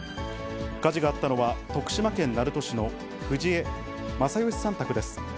火事があったのは徳島県鳴門市の藤江正良さん宅です。